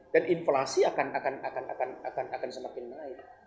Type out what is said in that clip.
dan inflasi akan semakin naik